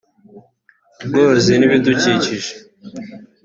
Ubworozi n’Ibidukikije